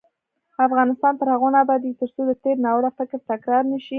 افغانستان تر هغو نه ابادیږي، ترڅو د تیر ناوړه فکر تکرار نشي.